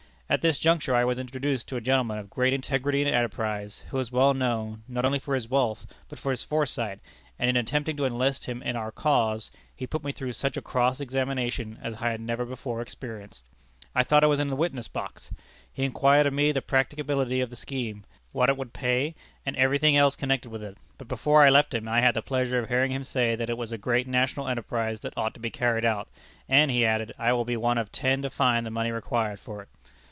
At this juncture I was introduced to a gentleman of great integrity and enterprise, who is well known, not only for his wealth, but for his foresight, and in attempting to enlist him in our cause he put me through such a cross examination as I had never before experienced. I thought I was in the witness box. He inquired of me the practicability of the scheme what it would pay, and every thing else connected with it; but before I left him, I had the pleasure of hearing him say that it was a great national enterprise that ought to be carried out, and, he added, I will be one of ten to find the money required for it.